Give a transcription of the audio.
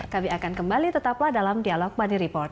kami akan kembali tetaplah dalam dialog money report